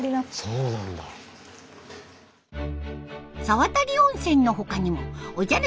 沢渡温泉の他にもおじゃる☆